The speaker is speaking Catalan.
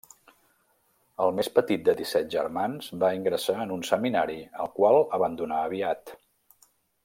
El més petit de disset germans, va ingressar en un seminari el qual abandonà aviat.